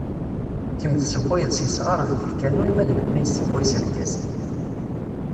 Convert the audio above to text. Kemm tessewwayeḍ s yisɣaren deg lkanun ma d nekni nessewway s lgaz.